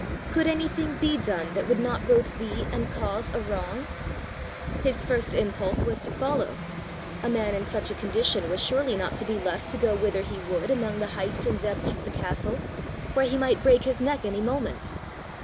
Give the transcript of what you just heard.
Could anything be done that would not both be and cause a wrong? His first impulse was to follow: a man in such a condition was surely not to be left to go whither he would among the heights and depths of the castle, where he might break his neck any moment!